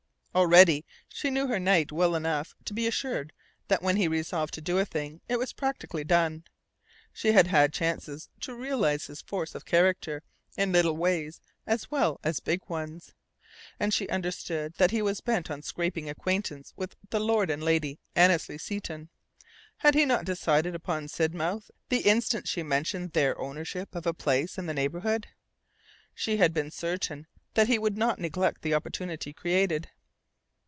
Already she knew her Knight well enough to be assured that when he resolved to do a thing it was practically done. She had had chances to realize his force of character in little ways as well as big ones; and she understood that he was bent on scraping acquaintance with Lord and Lady Annesley Seton. Had he not decided upon Sidmouth the instant she mentioned their ownership of a place in the neighbourhood? She had been certain that he would not neglect the opportunity created.